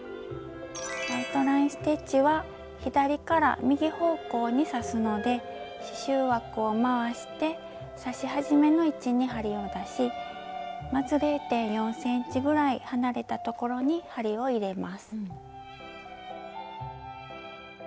アウトライン・ステッチは左から右方向に刺すので刺しゅう枠を回して刺し始めの位置に針を出しまず０．４ｃｍぐらい離れたところに針を入れます。